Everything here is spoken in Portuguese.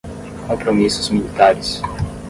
compromissos militares